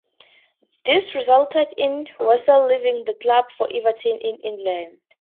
This resulted in Wessels leaving the club for Everton in England.